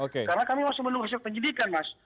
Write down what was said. karena kami masih menunggu hasil penyidikan mas